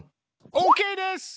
オッケーです！